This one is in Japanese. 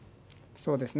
そうですね。